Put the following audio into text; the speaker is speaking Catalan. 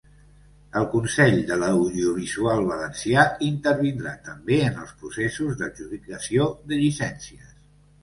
El Consell de l'Audiovisual Valencià intervindrà també en els processos d'adjudicació de llicències.